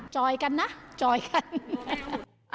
จอยกันนะจอยกัน